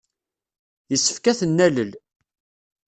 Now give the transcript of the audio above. Yessefk ad ten-nalel.